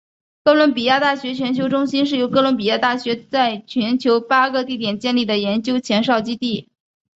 哥伦比亚大学全球中心是由哥伦比亚大学在全球八个地点建立的研究前哨基地。